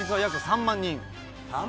３万人？